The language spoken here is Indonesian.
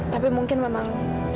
tapi mungkin memang